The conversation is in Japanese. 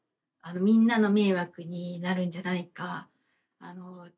みんなの迷惑になるんじゃないか？